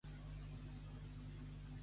I amb quines altres divinitats?